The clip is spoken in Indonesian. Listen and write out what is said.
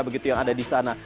begitu yang ada di sana